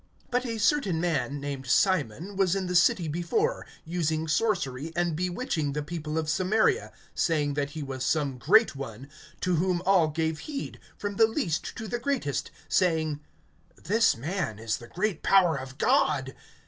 (9)But a certain man, named Simon, was in the city before, using sorcery, and bewitching the people of Samaria, saying that he was some great one; (10)to whom all gave heed, from the least to the greatest, saying: This man is the great power of God[8:10].